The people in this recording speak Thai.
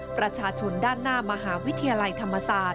ประชาชนด้านหน้ามหาวิทยาลัยธรรมศาสตร์